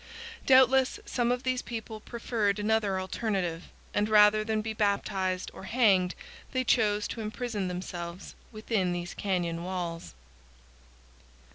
Doubtless, some of these people preferred another alternative, and rather than be baptized or hanged they chose to imprison themselves within these canyon walls.